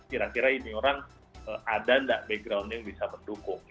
kira kira ini orang ada nggak backgroundnya yang bisa mendukung